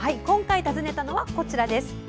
今回訪ねたのはこちらです。